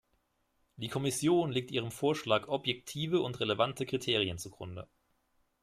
Die Kommission legt ihrem Vorschlag objektive und relevante Kriterien zugrunde.